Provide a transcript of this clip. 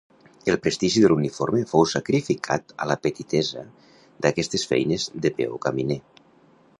El prestigi de l'uniforme fou sacrificat a la petitesa d'aquestes feines de peó caminer.